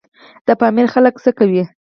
د پامیر خلک څه کوي؟